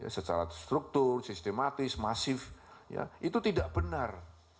secara struktur sistematis masif itu tidak benar